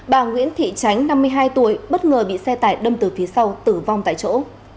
bà nguyễn thị tránh năm mươi hai tuổi bất ngờ bị xe tải đâm từ phía sau tử vong tại chỗ